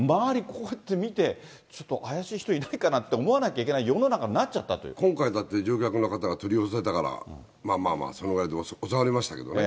こうやって見て、ちょっと怪しい人いないかなと思わなきゃいけない世の中になっち今回だって、乗客の方が取り押さえたから、まあまあまあ、それぐらいで収まりましたけどね。